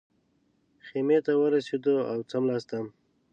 خیمې ته ورسېدو او څملاستم.